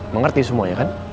mengerti semua ya kan